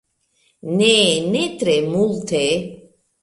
Ne, ne tre multe!